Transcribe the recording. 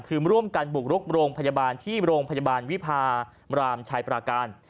คือร่วมกันบุกรุกโรงพยาบาลที่โรงพยาบาลวิพารามชายปราการ